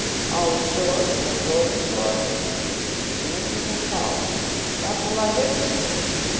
"All ashore who are going ashore?" the engineer called. "Got the luggage?"